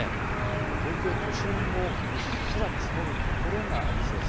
東京都心もうっすら積もる所がありそうです。